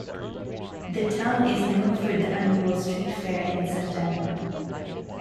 The town is known for the annual street fair in September.